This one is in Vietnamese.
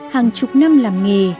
hàng chục năm làm nghề